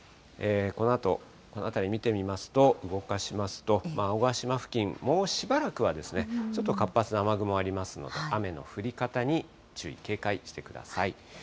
このあと、この辺り見てみますと、動かしますと、青ヶ島付近、もうしばらくはちょっと活発な雨雲ありますので、雨の降り方に注意、警戒してください。